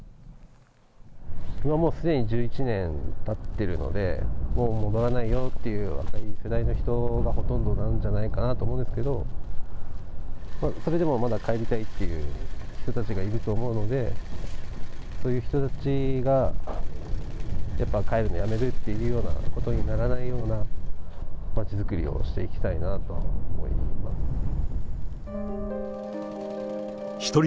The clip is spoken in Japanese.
すでに１１年たってるので、もう戻らないよっていう若い世代の人がほとんどなんじゃないかと思うんですけど、それでもまだ帰りたいっていう人たちがいると思うので、そういう人たちが、やっぱ帰るのやめるっていうようなことにならないような町づくりをしていきたいなとは思います。